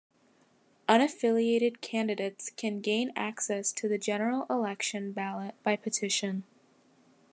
Unaffiliated candidates can gain access to the general election ballot by petition.